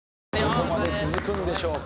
どこまで続くんでしょうか？